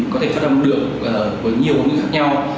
có thể phát âm được với nhiều ngôn ngữ khác nhau